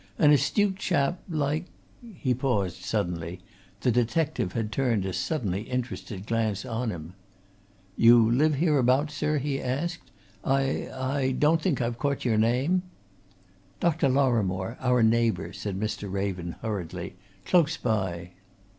An astute chap, like " He paused suddenly; the detective had turned a suddenly interested glance on him. "You live hereabouts, sir?" he asked. "I I don't think I've caught your name?" "Dr. Lorrimore our neighbour," said Mr. Raven hurriedly. "Close by."